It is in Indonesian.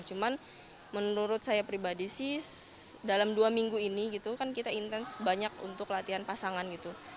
cuman menurut saya pribadi sih dalam dua minggu ini gitu kan kita intens banyak untuk latihan pasangan gitu